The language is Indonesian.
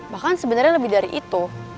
bahkan sebenarnya lebih dari itu